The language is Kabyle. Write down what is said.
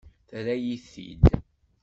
Terra-yi-t-id.